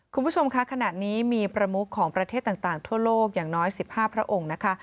คุณผู้ชมคะขณะนี้มีประมุขของประเทศต่างทั่วโลกอย่างน้อย๑๕พระองค์นะคะ